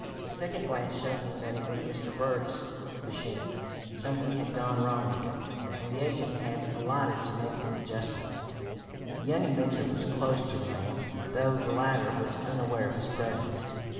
A second glance showed him that it was Mr. Berg's machine. Something had gone wrong with it, and the agent had alighted to make an adjustment. The young inventor was close to the man, though the latter was unaware of his presence.